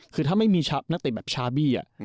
คือถ้าไม่มีนักเตะแบบชาบี้